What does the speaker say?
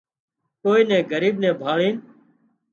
ڪوئي نين ڳريٻ ڀاۯينَ